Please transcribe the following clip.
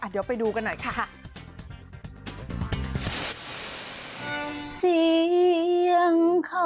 เดี๋ยวไปดูกันหน่อยค่ะ